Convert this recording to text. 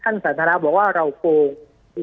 ปากกับภาคภูมิ